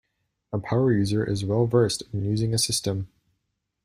A power user is well versed in using a system.